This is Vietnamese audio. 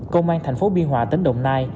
công an thành phố biên hòa tỉnh đồng nai